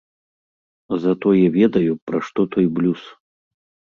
Затое ведаю, пра што той блюз.